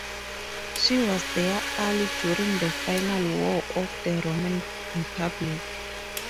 She was their ally during the Final War of the Roman Republic.